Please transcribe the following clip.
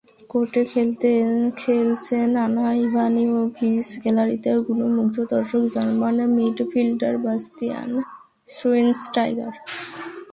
কোর্টে খেলছেন Ana Ivanovic, গ্যালারিতে গুণমুগ্ধ দর্শক জার্মান মিডফিল্ডার বাস্তিয়ান শোয়েনস্টাইগার।